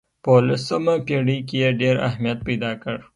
په اولسمه پېړۍ کې یې ډېر اهمیت پیدا کړ.